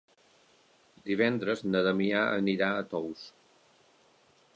Divendres na Damià anirà a Tous.